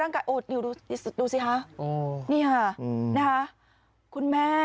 นี่ค่ะ